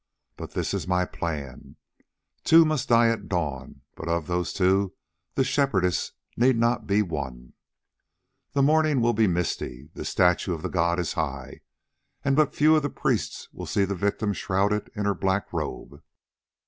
Now this is my plan: two must die at dawn, but of those two the Shepherdess need not be one. The morning will be misty, the statue of the god is high, and but few of the priests will see the victim shrouded in her black robe.